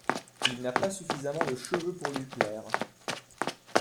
Il n’a pas suffisamment de cheveux pour lui plaire.